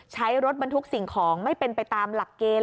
ใช้รถบรรทุกสิ่งของไม่เป็นไปตามหลักเกณฑ์